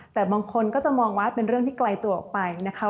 แต่บางคนก็จะมองว่าเป็นเรื่องที่ไกลตัวออกไปนะคะ